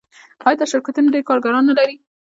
آیا دا شرکتونه ډیر کارګران نلري؟